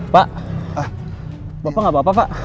pak bapak gak apa apa pak